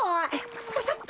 ささっと。